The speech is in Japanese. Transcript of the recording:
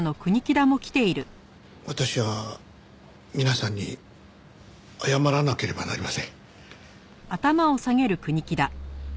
私は皆さんに謝らなければなりません。